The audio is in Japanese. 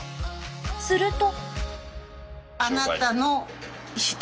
すると。